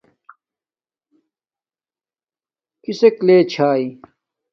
کسک لے چھاݵ